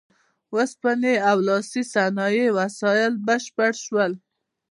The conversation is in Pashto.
اوسپنې او لاسي صنایعو وسایل بشپړ شول.